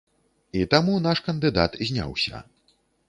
І таму наш кандыдат зняўся.